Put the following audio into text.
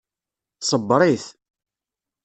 Ṣebbeṛ-it.